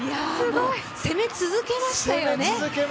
攻め続けましたよね。